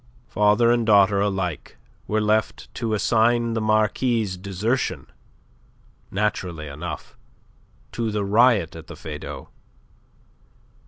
Father and daughter alike were left to assign the Marquis' desertion, naturally enough, to the riot at the Feydau.